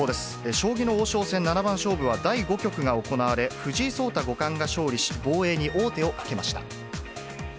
将棋の王将戦七番勝負は、第５局が行われ、藤井聡太五冠が勝利し、防衛に王手をかけました。